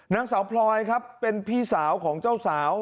นางสาวพลอยครับเป็นพี่สาวของเจ้าสาว